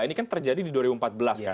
ini kan terjadi di dua ribu empat belas kan